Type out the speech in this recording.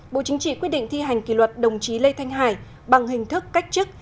bộ chính trị quyết định thi hành kỷ luật đồng chí lê thanh hải bằng hình thức cách chức